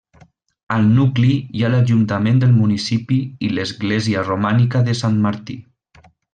Al nucli hi ha l'ajuntament del municipi i l'església romànica de Sant Martí.